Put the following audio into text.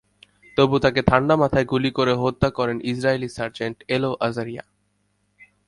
তবু তাঁকে ঠান্ডা মাথায় গুলি করে হত্যা করেন ইসরায়েলি সার্জেন্ট এলোর আজারিয়া।